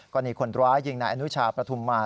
กรณีคนร้ายยิงนายอนุชาประทุมมา